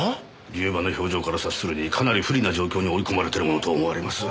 龍馬の表情から察するにかなり不利な状況に追い込まれてるものと思われます。